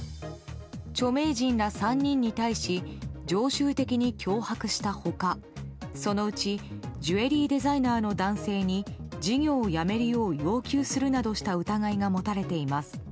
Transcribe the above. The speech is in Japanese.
著名人ら３人に対し常習的に脅迫した他そのうちジュエリーデザイナーの男性に事業をやめるよう要求するなどした疑いが持たれています。